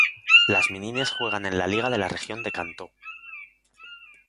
Las Meninas juegan en la liga de la Región de Kantō.